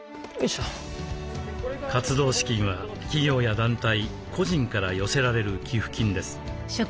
活動資金は企業や団体個人から寄せられる寄付金です。